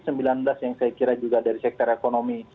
yang saya kira juga dari sektor ekonomi